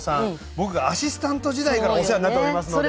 僕がアシスタント時代からお世話になっておりますので。